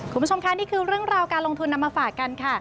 คุณผู้ชมค่ะนี่คือเรื่องราวการลงทุนนำมาฝากกันค่ะ